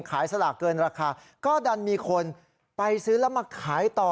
สลากเกินราคาก็ดันมีคนไปซื้อแล้วมาขายต่อ